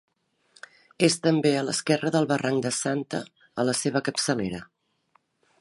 És també a l'esquerra del barranc de Santa a la seva capçalera.